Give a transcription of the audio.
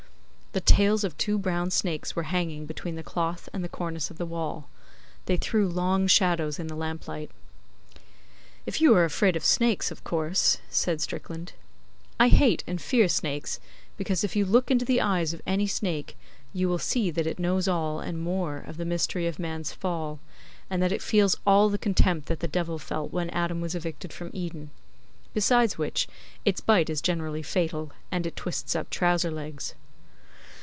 The tails of two brown snakes were hanging between the cloth and the cornice of the wall. They threw long shadows in the lamplight. 'If you are afraid of snakes of course ' said Strickland. I hate and fear snakes, because if you look into the eyes of any snake you will see that it knows all and more of the mystery of man's fall, and that it feels all the contempt that the Devil felt when Adam was evicted from Eden. Besides which its bite is generally fatal, and it twists up trouser legs.